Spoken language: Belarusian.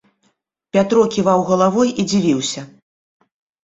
Пятро ківаў галавой і дзівіўся.